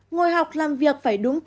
ngồi học làm việc phải đúng cách